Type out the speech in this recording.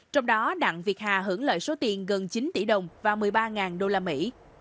trong đó đặng việt hà hưởng lợi số tiền gần chín tỷ đồng và một mươi ba đô la mỹ